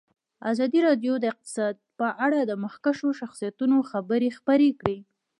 ازادي راډیو د اقتصاد په اړه د مخکښو شخصیتونو خبرې خپرې کړي.